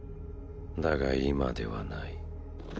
だが今ではない。